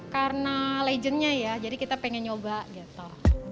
karena legendnya ya jadi kita pengen nyoba gitu